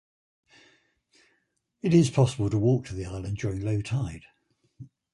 It is possible to walk to the island during low tide.